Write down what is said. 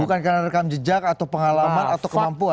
bukan karena rekam jejak atau pengalaman atau kemampuan